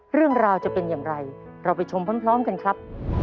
เรื่องราวจะเป็นอย่างไรเราไปชมพร้อมกันครับ